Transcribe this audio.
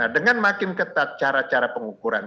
dengan makin ketat cara cara pengukuran